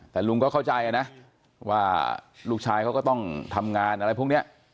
แต่ลุงก็เข้าใจนะว่าลูกชายเขาก็ต้องทำงานอะไรพวกนี้